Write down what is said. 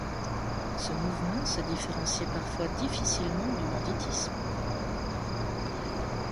Ce mouvement se différenciait parfois difficilement du banditisme.